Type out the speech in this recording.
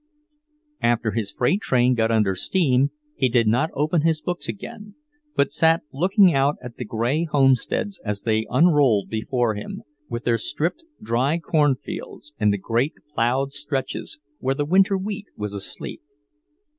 After his freight train got under steam he did not open his books again, but sat looking out at the grey homesteads as they unrolled before him, with their stripped, dry cornfields, and the great ploughed stretches where the winter wheat was asleep.